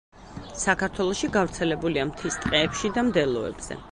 საქართველოში გავრცელებულია მთის ტყეებში და მდელოებზე.